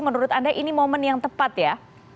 menurut anda ini momen yang tepat ya